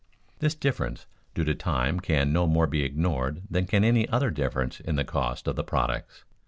This difference due to time can no more be ignored than can any other difference in the cost of products.